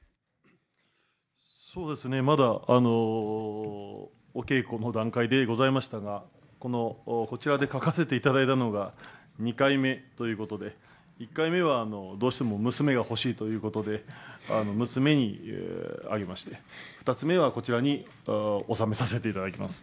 そうですね、まだ、お稽古の段階でございましたが、この、こちらで書かせていただいたのが２回目ということで、１回目は、どうしても娘が欲しいということで、娘にあげまして、２つ目はこちらに納めさせていただきます。